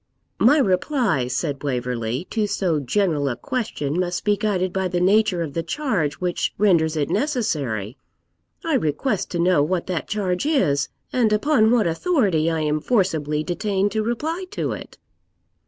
'My reply,' said Waverley, 'to so general a question must be guided by the nature of the charge which renders it necessary. I request to know what that charge is, and upon what authority I am forcibly detained to reply to it?'